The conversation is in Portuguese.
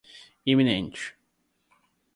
iminente